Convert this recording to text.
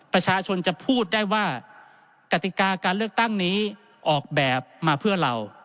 ประชาชนจะพูดได้ว่ากติกาการเลือกตั้งนี้ออกแบบมาเพื่อเรา